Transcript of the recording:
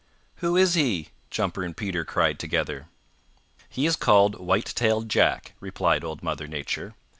"Who is he?" Jumper and Peter cried together. "He is called White tailed Jack," replied Old Mother Nature.